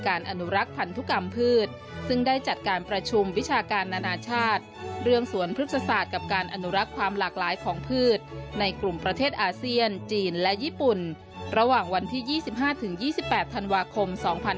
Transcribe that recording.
อนุรักษ์พันธุกรรมพืชซึ่งได้จัดการประชุมวิชาการนานาชาติเรื่องสวนพฤกษศาสตร์กับการอนุรักษ์ความหลากหลายของพืชในกลุ่มประเทศอาเซียนจีนและญี่ปุ่นระหว่างวันที่๒๕๒๘ธันวาคม๒๕๕๙